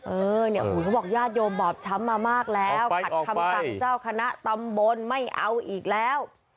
เออเนี่ยเขาบอกญาติโยมบอบช้ำมามากแล้วขัดคำสั่งเจ้าคณะตำบลไม่เอาอีกแล้ว